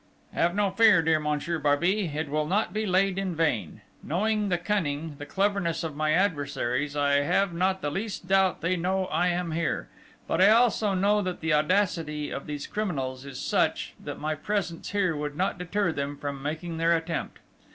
"Have no fear, dear Monsieur Barbey, it will not be laid in vain! Knowing the cunning, the cleverness of my adversaries, I have not the least doubt they know I am here; but I also know that the audacity of these criminals is such, that my presence here would not deter them from making their attempt.